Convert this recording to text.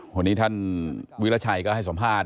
วันนี้ท่านวิราชัยก็ให้สัมภาษณ